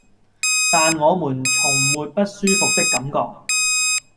但我們從沒不舒服的感覺